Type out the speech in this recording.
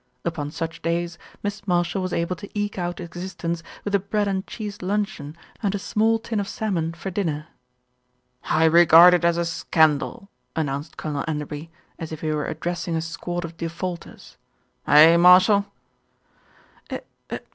Upon such days Miss Marshall was able to eke out existence with a bread and cheese luncheon and a small tin of salmon for dinner. "I regard it as a scandal!" announced Colonel En derby, as if he were addressing a squad of defaulters. "Eh! Marshall?"